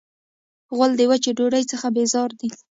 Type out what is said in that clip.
غول د وچې ډوډۍ څخه بیزار دی.